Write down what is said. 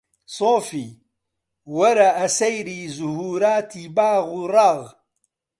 سۆفی! وەرە ئەسەیری زوهووراتی باغ و ڕاغ